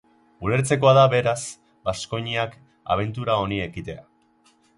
Ulertzekoa da, beraz, Baskoniak abentura honi ekitea.